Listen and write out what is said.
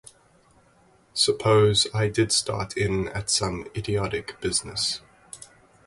Suppose I did start in at some idiotic business.